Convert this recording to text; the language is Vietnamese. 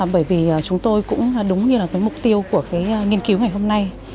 bởi vì chúng tôi cũng đúng như là cái mục tiêu của cái nghiên cứu ngày hôm nay